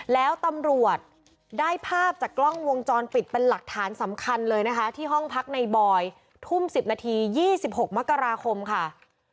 แล้วตำรวจได้ภาพจากกล้องวงจรปิดเป็นหลักฐานสำคัญเลยนะคะที่ห้องพักในบอยทุ่ม๑๐นาที๒๖มกราคมค่ะ